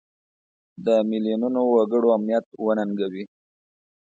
د میلیونونو وګړو امنیت وننګوي.